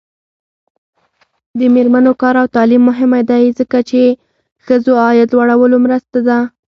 د میرمنو کار او تعلیم مهم دی ځکه چې ښځو عاید لوړولو مرسته ده.